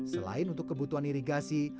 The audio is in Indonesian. selain untuk kebutuhan irigasi